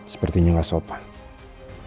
sepertinya gak sopan